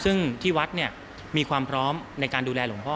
ซึ่งที่วัดมีความพร้อมในการดูแลหลวงพ่อ